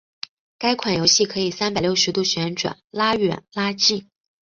该款游戏可以三百六十度旋转拉远拉近。